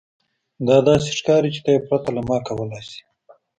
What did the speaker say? دا داسې ښکاري چې ته یې پرته له ما کولی شې